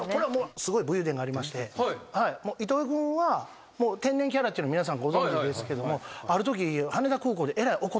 すごい武勇伝がありまして糸井君は天然キャラっていうの皆さんご存じですけどもあるとき。